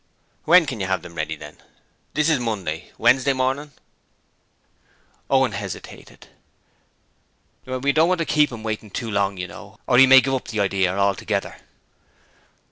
'When can you have them ready then? This is Monday. Wednesday morning?' Owen hesitated. 'We don't want to keep 'im waiting too long, you know, or 'e may give up the idear altogether.'